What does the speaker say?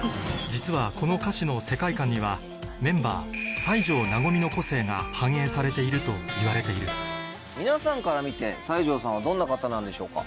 実はこの歌詞の世界観にはメンバー西條和の個性が反映されているといわれている皆さんから見て西條さんはどんな方なんでしょうか？